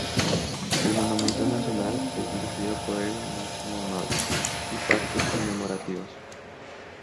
El monumento nacional es dirigido por el National Mall y Parques Conmemorativos.